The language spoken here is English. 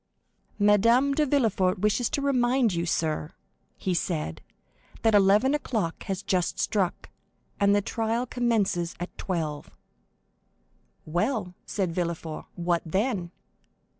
"Madame de Villefort wishes to remind you, sir," he said, "that eleven o'clock has just struck, and that the trial commences at twelve." "Well," said Villefort, "what then?"